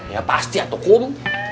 ya pasti ya tukum